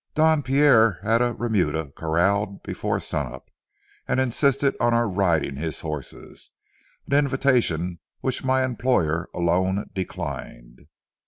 Don Pierre had a remuda corralled before sun up, and insisted on our riding his horses, an invitation which my employer alone declined.